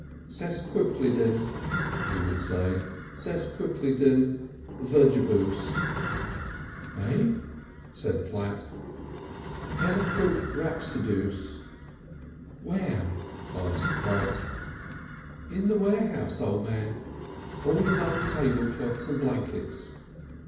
"Sesquippledan," he would say. "Sesquippledan verboojuice." "Eh?" said Platt. "Eloquent Rapsodooce." "Where?" asked Platt. "In the warehouse, O' Man. All among the table cloths and blankets.